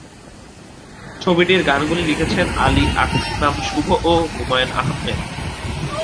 ছবিটির গানগুলি লিখেছেন আলী আকরাম শুভ ও আহমেদ হুমায়ুন।